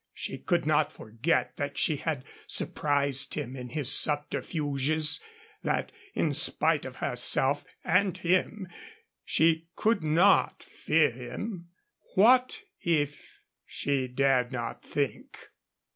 She could not forget that she had surprised him in his subterfuges, that, in spite of herself and him, she could not fear him. What if ? She dared not think.